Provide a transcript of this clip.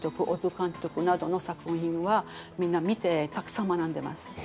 小津監督などの作品はみんな見てたくさん学んでます。